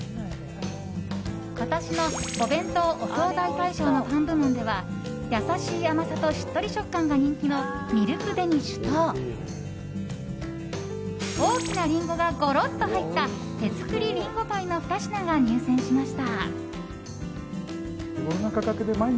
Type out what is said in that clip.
今年のお弁当・お惣菜大賞のパン部門では優しい甘さとしっとり食感が人気のミルクデニッシュと大きなリンゴがゴロッと入った手作りりんごパイの２品が入賞しました。